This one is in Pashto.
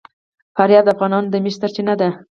فاریاب د افغانانو د معیشت سرچینه ده.